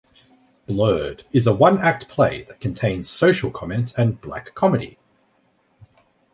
"Blurred" is a one-act play that contains social comment and black comedy.